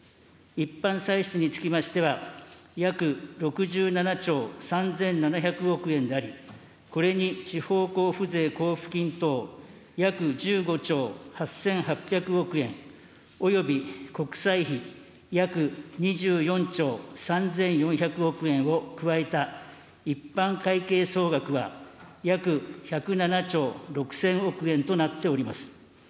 一般歳出につきましては、約６７兆３７００億円であり、これに地方交付税交付金等、約１５兆８８００億円、および国債費約２４兆３４００億円を加えた一般会計総額は、約１０７兆６０００億円となっております。